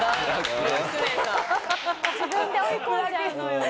自分で追い込んじゃうのよね。